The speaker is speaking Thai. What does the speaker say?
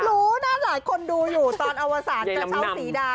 รู้นะหลายคนดูอยู่ตอนอวสารกระเช้าสีดา